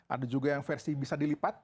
ada juga yang versi bisa dilipat